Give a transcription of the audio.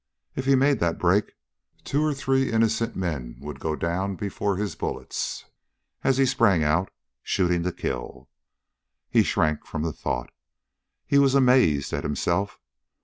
If he made that break two or three innocent men would go down before his bullets, as he sprang out, shooting to kill. He shrank from the thought. He was amazed at himself.